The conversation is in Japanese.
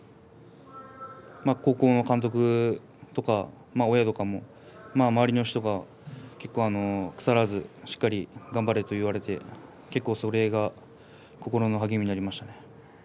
高校の監督とか親とかも周りの人が結構腐らずしっかり頑張れと言ってくれて、結構それが心の励みになっています。